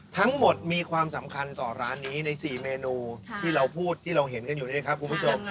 ทั้งหมดมีความสำคัญต่อร้านนี้ใน๔เมนูที่เราพูดที่เราเห็นกันอยู่นี่นะครับคุณผู้ชม